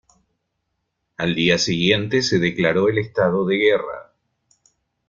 Al día siguiente se declaró el estado de guerra.